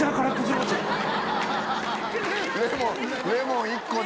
レモン１個で。